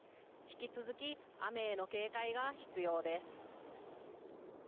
引き続き雨への警戒が必要です。